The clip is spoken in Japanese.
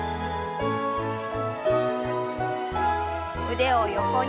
腕を横に。